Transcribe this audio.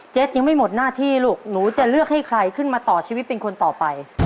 ยังไม่หมดหน้าที่ลูกหนูจะเลือกให้ใครขึ้นมาต่อชีวิตเป็นคนต่อไป